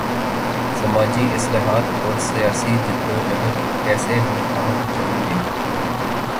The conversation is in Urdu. سماجی اصلاحات اور سیاسی جد و جہد کیسے ہم آہنگ ہوںگے؟